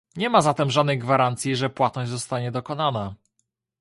Nie ma zatem żadnej gwarancji, że płatność zostanie dokonana